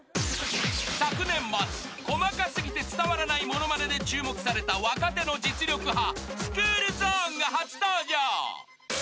［昨年末『細かすぎて伝わらないモノマネ』で注目された若手の実力派スクールゾーンが初登場］